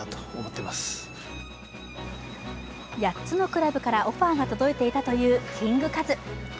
８つのクラブからオファーが届いていたというキングカズ。